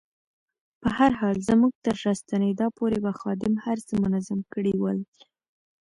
په هر حال زموږ تر راستنېدا پورې به خادم هر څه منظم کړي ول.